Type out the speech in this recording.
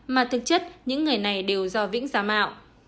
mà thực chất những người này đều do vĩnh giả mạo